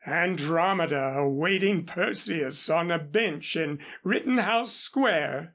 Andromeda awaiting Perseus on a bench in Rittenhouse Square!